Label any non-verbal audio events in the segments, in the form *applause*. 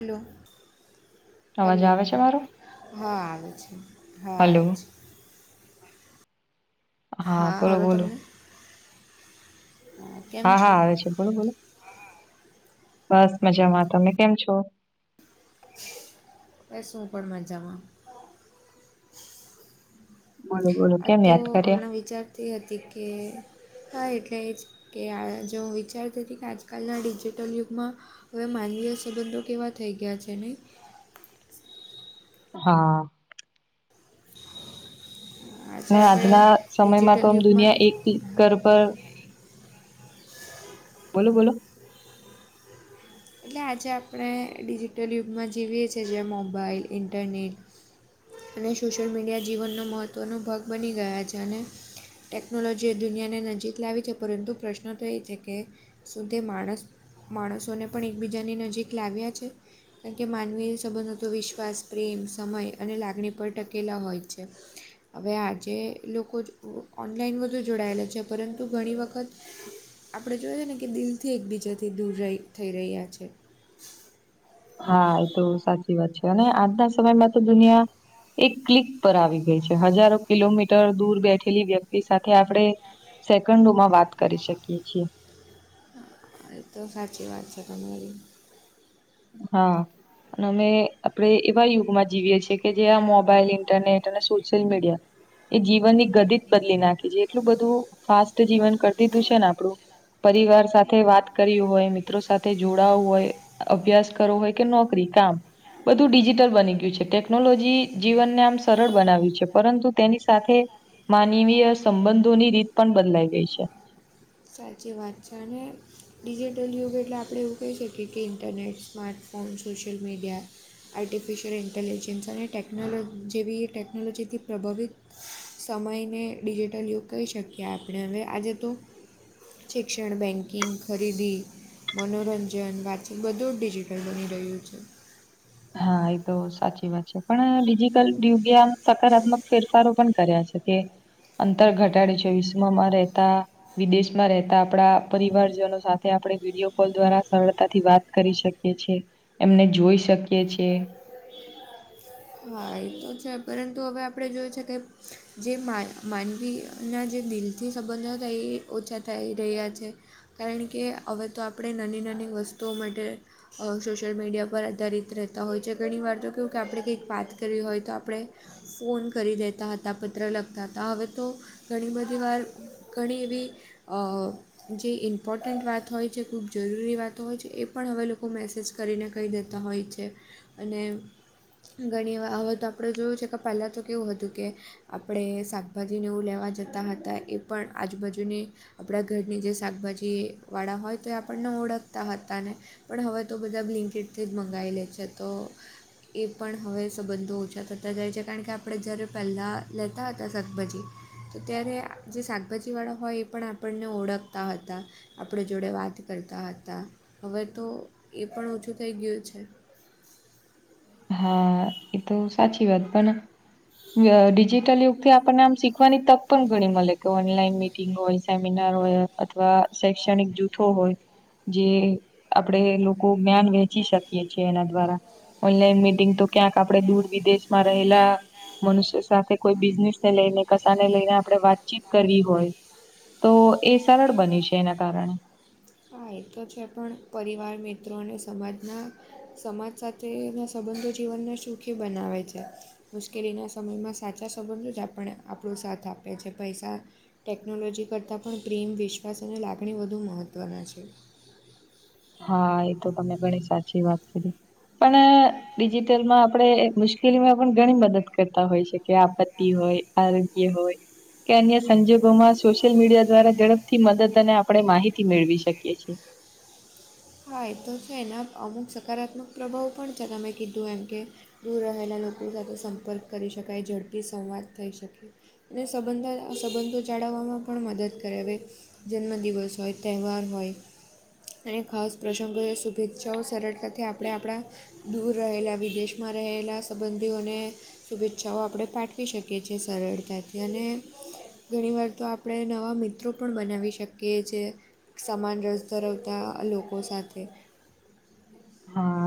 Hello અવાજ hello આવે છે મારો? હા આવે છે હા હલો, આવે છે. હા બોલો હરો બોલો. તમને કેમ હા છો હા આવે છે બોલો બોલો બસ મજામાં તમે કેમ છો? એ શું પણ મજામાં બોલો બોલો આ કેમ તો યાદ કર્યા? હમણાં વિચારતી હતી કે હા એટલે એ જ કે જોું વિચારતી હતી કે આજકાલના ડિજિટલ યુગમાં હવે માનવીય સંબંધો કેવા થઈ ગયા છે નહીં હા. આજે આપણે આજના સમયમાં તો ડિજિટલ આમ યુગમાં દુનિયા એકલ કર પર બોલો બોલો એટલે આજે આપણે ડિજિટલ યુગમાં જીવીએ છીએ જે્યાં મોબાઈલ ઇન્ટરનેટ અને સોશિયલ મીડિયા જીવનનો મહત્વનો ભાગ બની ગયા છે અને ટેકનોલોજી એ દુનિયાને નજીક લાવી છે પરંતુ પ્રશ્ન તો એ છે કે સુકે માણસ માણસોને પણ એકબીજાની નજીક લાવ્યા છે. કારણ કે માનવી સંબંધો તો વિશ્વાસ પ્રેમ સમય અને લાગણી પર ટકેલા હોય છે. *unintelligible* હવે આજે લોકો ઓનલાઈન વધુ જોડાયેલા છે પરંતુ ઘણી વખત આપણે જોએ છે ને કે દિલથી એકબીજાથી દૂર ર થઈ રહ્યા છે. હા એ તો સાચ ચી વાત છે અને આજના સમયમાં તો દુનિયા એક ક્લિક પર આવી ગઈ છે હજારો કિલોમીટર દૂર બેઠેલી વ્યક્તિ સાથે આપણેે. સેકન્ડોમાં વાત કરી શકીએ છીએ. એ તો હાચી વાત છે તમારી. હા. અને અમે આપણે એવા યુગમાં જીવીએ છીએ કે જે આ મોબાઈલ ઇન્ટરનેટ અને સોશિયલ મીડિયા. એ જીવનની ગધિત બદલી નાખી છે એટલું બધું ફાસ્ટ જીવન કરતી તું છે ને આપણું. પરિવાર સાથે વાત કર હોય મિત્રો સાથે જોડાવું હોય. અભ્યાસ કરવો હોય કે નોકરી કામ. બધું ડિજિટલ બની ગયું છે ટેકનોલોજી જીવનને આમ સરળ બનાવ્યું છે પરંતુ તેની સાથે. માનવીય સંબંધોની રીત પણ બદલાઈ ગઈ છે. સાચી વાત છે. અને ડિજિટલ યુગ એટલે આપણે એવું કહી શકીએ કે internet smartphone social media. Artificial intelligence અને ટેકનોલો જેવી ટેકનોલોજીથી પ્રભાવિત. સમયને ડિજિટલ યુગ કહી શકીએ આપણે હવે આજે તો શિક્ષણ બેંકિંગ ખરીદી. મનોરંજન વાતચીત બધું જ ડિજિટલ બની રહ્યું છે. હા એ તો સાચી વાત છે પણ ડિજિટલ યુગે આમ સકારાત્મક ફેરફારો પણ કર્યા છે. કે અંતર ઘટાડે છે વિશ્વમાં રહેતા વિદેશમાં રહેતા આપડા પરિવારજનો સાથે આપણે વિડીયો કોલ દ્વારા સરળતાથી વાત. કરી શકી છે એમને જોઈ શકીએ છે. હા એ તો છે પરંતુ હવે આપણે જોય છે કે જે માનવીના જે દિલ જે સંબંધ તો એ ઓછા થઈ રહ્યા છે. કારણ કે હવે તો આપણે નાની નાની વસ્તુઓ માટે અ સોશિયલ મીડિયા પર આધારિત રહેતા હોય છે ઘણી વાર તો કેવું કે આપણે કઈક વાત કરવી હોય તો આપણે ફોન કરી દેતા હતા પત્ર લખતા હતા હવે તો ઘણી મ વાર ઘણી એવી અ જે ઇમ્પોર્ટન્ટ વાત હોય છે ખૂબ જરૂરી વાતો હોય છે એ પણ હવે લોકો મેસેજ કરીને કહી દેતા હોય છે અને. ઘણી વાર હવે તો આપણે જોયું છે કે પહેલાં તો કેવું હતું કે આપણે શાકભાજીને એવું લેવા જતા હતા એ પણ આજુબાજુની આપણા ઘરની જે શાકભાજીવાળા હોય તો એ આપણને ઓળખતા હતા ને. પણ હવે તો બધા બ્લિંકિટ જ મંગાવી લે છે તો. એ પણ હવે સંબંધો ઓછા થતા જાય છે કારણ કે આપણે જ્યારે પહેલાં લેતા હતા શાકભાજી. તો ત્યારે જે શાકભાજી વાળા હોય એ પણ આપણને ઓળખતા હતા. આપણે જોડે વાત કરતા હતા હવે તો એ પણ ઓછું થઈ ગયું છે. હા એ તો સાચી વાત પણ. ડિજિટલ યુગ થી આપણને આમ શીખવાની તક પણ ઘણી મળે કે ઓનલાઈન મી. હોય સેમિનાર હોય અથવા શૈક્ષણિક જૂથો હોય. જે આપડે લોકો જ્ઞાન વહેચી શકીએ છેએ એના દ્વારા. ઓનલાઈન મીટિંગ તો ક્યાંક આપડે દૂર વિદેશમાં રહેલા. મનુષ્ય સાથે કોઈ બિઝનેસ ને લઈને કસાાને લઈને આપડણે વાતચીત કરવી હોય. તો એ સરળ બની્યું છે એના કારણે. ફાય તો છે પણ પરિવાર મિત્રો અને સમાજના સમાજ સાથેના સંબંધો જીવનના. સુૂખી બનાવેય છે. મુશ્કેલીના સમયમાં સાચા સંબંધો જ આપણ આપણો સાથ આપે છે પૈસા. ટેકનોલોજી કરતાં પણ પ્રેમ વિશ્વાસ અને લાગણી વધુ મહત્ત્વના છે. હા એ તો તમે ઘણી સાચી વાત. પણ ડિજિટલ માં આપડે મુશ્કેલીમાં. પણ ઘણી મદદ કરતા હોય છે કે આપત્તિ હોય આરોગ્ય હોય. કે અન્ય સંજોગોમાં સોશિયલ મીડિયા દ્વારા ઝડપથી મદદ અને આપણે માહિતી મેળવી શકીએ છીએ. હા એ તો છે એના અમુક સકારાત્મક પ્રભાવ પણ છે તમે કીધું એમ કે દૂર રહેલા લોકો સાથે સંપર્ક કરી શકાય ઝડપી સંવાદ થઈ શકે અને સંબંધ આ સંબંધો જાળવવામાં પણ મદદ કરેવે જન્મ દિવસ હોય તહેવાર હોય અને ખાસ પ્રસંગોએ શુભેચ્છાઓ સરળતાથી આપણે આપણા દૂર રહેલા વિદેશમાં રહેલા સંબંધીઓને શુભેચ્છાઓ આપણે પાઠવી શકીએ છીએ સરળતાથી અને ઘણી વાર તો આપણે નવા મિત્રો પણ બનાવી શકીએ છ છે સમાન રસ ધરાવતા લોકો સાથે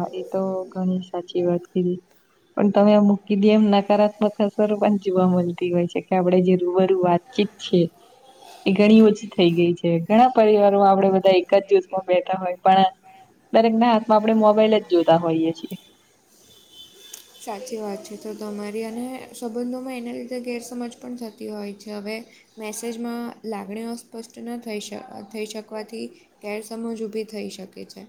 મા તો ઘણી સાચી વાત કીધી પણ તમે મૂકી દઈ એમ નકારાત્મક અસરો પણ જોવા મળતી હોય છે કે આપડણે જે રૂબરૂ વાત શ્ છે એ ઘણી ઓછી થઈ ગઈ છે ઘણા પરિવારો આપડે બધા એક જ જૂથમાં બેતા હોય પણ દરેક ના હાથમાં આપડે મોબાઈલ જ જોતા હોઈએે છીએ સાચી વાત છે તો તમારી અને સંબંધોમાં એના લીધે ગેરસમજ પણ થતી હોય છે હવે મેસેજમાં લાગણી અસ્પષ્ટ ન થઈ શ થઈ શકવાથી ગેરસમજ ઊભી થઈ શકે છે.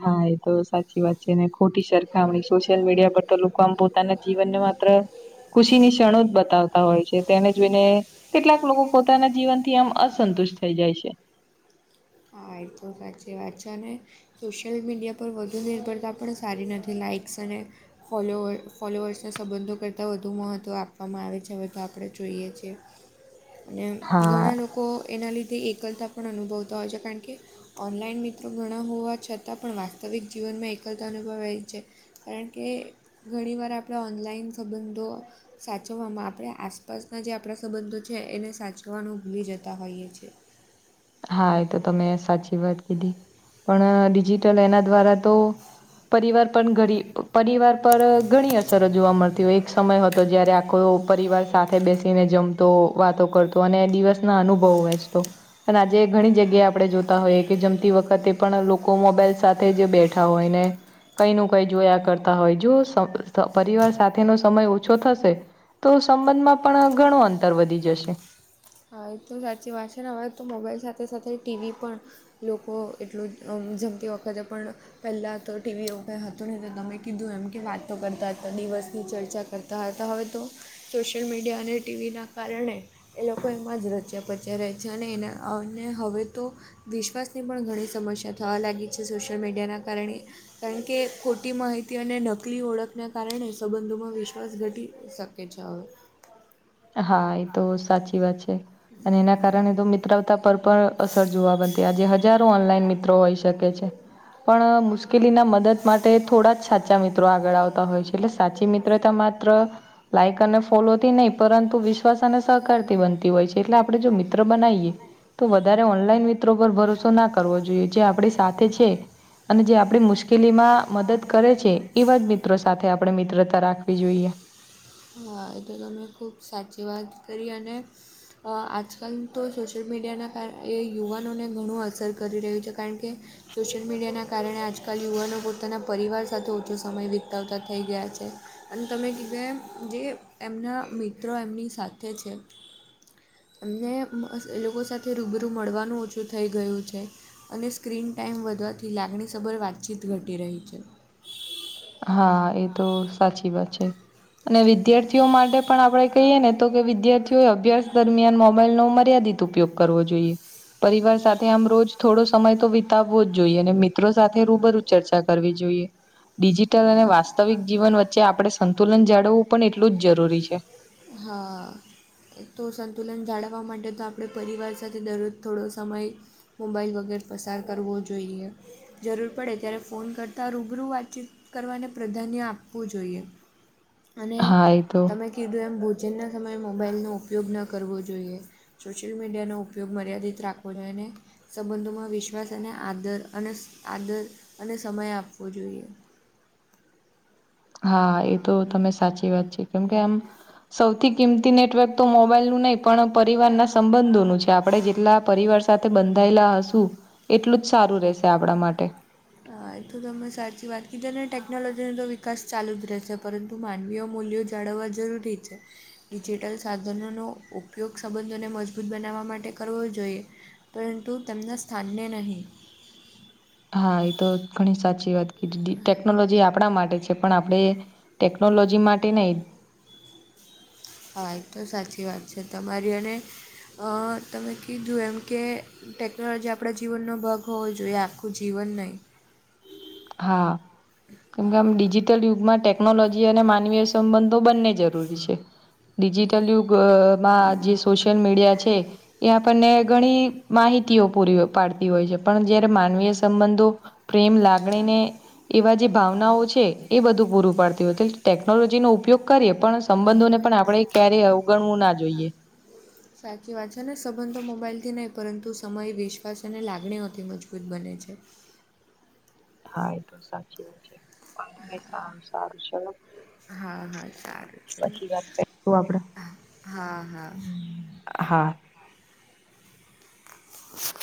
હા એ તો સાચી વાત છે ને ખોટી સરખામણી સોશિયલ મીડિયા પર તો મ પોતાના જીવનને માત્ર ખુશીની ક્ષણો જ બતાવતા હોય છે તેને જોઈને કેટલાક લોકો પોતાના જીવન થી એમ અસંતુષ્ટ થઈ જાય છે. હ તો સાચી વા છેને સોશિયલ મીડિયા પર વધુ નિર્ભરતા પણ સારી નથી લાઇક્સ અને ફોલોવ ફોલોવર્સના સંબંધો કરતાં વધુ મહત્ત્વ આપવામાં આવે છે વધ આપણે જોઈએ છ છેીએ અને હા ઘણા લોકો એના લીધે એકલતા પણ અનુભવતા હોય છે કારણ કે ઓનલાઈન મિત્રો ઘણા હોવા છતાં પણ વાસ્તવિક જીવનમાં એકલતા અનુભવા છે. કારણ કે ઘણીવાર આપણે ઓનલાઈન સંબંધો સાચવવામાં આપણે આસપાસના જે આપણા સંબંધો છે એને સાચવવાનું ભૂલી જતા હોઈએ છીએ હા એ તો તમે સાચી વાત કીધી પણ ડિજિટલ એના દ્વારા તો પરિવાર પણ ગરીબ પરિવાર પર ઘણી અસર જોવા મળતી હોય એક સમય હતો જય્યારે આખો પરિવાર સાથે બેસીને જમ તો વાતો કરતો અને દિવસ ના અનુભવ વહેચતો પણ આજે ઘણી જગ્યાએ આપણે જોતા હોઈએ કે જમતી વખતે પણ લોકો મોબાઈલ સાથે જે બેઠા હોય ને કઈ ન કઈ જોયા કરતા હોય જો પરિવાર સાથેનોો સમય ઓછો થશે તો સંબંધમાં પણ ઘણું અંતર વધી જશે હા એ તો સાચી વાત છે ને હવે તો મોબાઈલ સાથે સાથે ટીવી પણ લોકો એટલું જ જમતી વખતે પણ પહેલાં તો ટીવી ઉપર હતું નહી તો તમે કીધું એમ કે વાતો કરતા હતા દિવસની ચર્ચા કરતા હતા હવે તો સોશિયલ મીડિયા અને ટીવીના કારણે એ એમાં જ રચ્યા પચ્યા રહે છે અને એને હવે તો વિશ્વાસની પણ ઘણી સમસ્યા થવા લાગી છે સોશિયલ મીડિયાના કારણે કારણ કે ખોટી માહિતી અને નકલી ઓળખને કારણે સંબંધોમાં વિશ્વાસ ઘટી શકે કે છ હા એ તો સાચી વાત છે અને એના કારણે તો મિત્રવતા પર પણ અસર જોવા બન તે આજે હજારો ઓનલાઈન મિત્રો હોઈ શકે છે પણ મુશ્કેલી ના મદદ માટે થોડા જ સાચા સાા મિત્રો આગળ આવતા હોય છે એટલે સાચી મિત્રો તો માત્ર લાઈક અને ફોલો થી નહી પરંતુ વિશ્વાસ અને સહકારથી બનતી હોય છે એટલે આપણે જો મિત્ર બનાવીએ તો વધારે ઓનલાઈન મિત્રો પર ભરોસો ના કરવો જોઈએ જે આપણી સાથે છે અને જે આપણી મુશ્કેલી માં મદદ કરે છે એવા જ મિત્રો સાથે આપણે મિત્રતા રાખવી જોઈએ હા. એ તો તમે ખુબ સાચી વાત કરી અને, હા. આજકાલ તો સોશિયલ મીડિયાના કારણે એ યુવાનોને ઘણું અસર કરી રહ્યું છે. કારણ કે, સોશિયલ મીડિયાના કારણે આજકાલ યુવાનો પોતાના પરિવાર સાથે ઓછો સમય વિતાવતા થઈ ગયા છે. અને તમે કીધું એમ, જે એમના મિત્રો એમની સાથે છે. અમને એ લોકો સાથે રૂબરૂ મળવાનું ઓછું થઈ ગયું છે. અને સ્ક્રીન ટાાઈમ વધવાથી લાગણીસભર વાત-ચીત ઘટી રહી છે. હા એ તો સાચી વાત છે. અને વિદ્યાર્થીઓ માટે, પણ આપણેે કહીએ ને, તો કે વિદ્યાર્થીઓએ અભ્યાસ દરમિયાન મોબાઈલ નો મર્યાદિત ઉપયોગ કરવો જોઈએ. પરિવાર સાથે આમ રોજ થોડો સમય તો વિતાવવો જ જોઈએ. અને મિત્રો સાથે રૂબરૂ ચર્ચા કરવી જોઈએ. ડિજિટલ અને વાસ્તવિક જીવન વચ્ચે આપણે સંતુલન જાળવવું પણ એટલું જ જરૂરી છે. હા... તો સંતુલન જાળવવા માટે તો આપડે પરિવાર સાથે દરરોજ થોડો સમય, મોબાઈલ વગેર પસાર કરવો જોઈએ. જરૂર પડે ત્યારે, ફોન કરતા રૂબરૂ વાતચીત કરવાને પ્રાધાન્ય આપવું જોઈએ. અને હા એ તો તમે કીધું એમ, જેનના સમયે મોબાઈલનો ઉપયોગ ન કરવો જોઈએ. સોશિયલ મીડિયાનોો ઉપયોગ મર્યાદિત રાખવો જોઈએ. ને, સંબંધોમાં વિશ્વાસ અને આદર અને આદર અને સમય આપવો જોઈએ. હા એ તો તમે સાચી વાત છે. કેમ કે, આમ સૌથી કિંમતી નેટવર્ક તો મોબાઈલ નું નહી પણ પરિવારના સંબંધોનું છે. આપણે જેટલા પરિવાર સાથે બંધાયેલા હશું. એટલું જ સારું રહેશે આપડા માટે. હા એ તો તમે સાચી વાત કીધી. અને ટેકનોલોજીનો તો વિકાસ ચાલુ જ રહેશે. પરંતુ, તો માનવીય મૂલ્યો જાળવવા જરૂરી છે. ડિજિટલ સાધનોનો ઉપયોગ સંબંધોને મજબૂત બનાવવા માટે કરવો જોઈએ. પરંતુ, તેમના સ્થાનને નહીં. હા એ તો ઘણી સાચી વાત કીધી. ટેકનોલોજી આપણા માટે છે, પણ આપણે ટેકનોલોજી માટે નહીં. હા એ તો સાચી વાત છે તમારી. અને તમે કીધું એમ કે, ટેકનોલોજી આપણા જીવનનો ભગ હોવો જોઈએ, આખું જીવન નહીં. હા. કેમકે, હા આમ ડિજિટલ યુગમાં ટેકનોલોજી અને માનવીય સંબંધો બંને જરૂરી છે. ડિજિટલ યુગમાં જે સોશિયલ મીડિયા છે, એ આપણને ઘણી માહિતીઓ પૂરી પાડતી હોય છે, પણ જયારે માનવીય સંબંધો પ્રેમ લાગણીને, એવા જે ભાવનાઓ છે, એ બધું પૂરું પાડતી હોય છે, ત ટેકનોલોજી નો ઉપયોગ કરીએ પણ સંબંધોને પણ આપણેે ક્યારેય અવગણવું ના જોઈએ. સાચી વાત છે, ને સંબંધ મોબાઈલથી નહી, પરંતુ સમય, વિશ્વાસ અને લાગણીઓથી મજબૂત બને છે. હા, એ તો સાચી વાત છે, પણ સારું સારું ચલો. હા હા સારું છે. પછી વાત કરીશું આપડે. હા હા. હા. *inaudible*